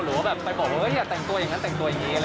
หรือจะไปบอกอยากแต่งตัวอย่างนั้นแต่งตัวอย่างนี้